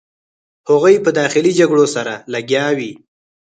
هغوی په داخلي جګړو سره لګیا وې.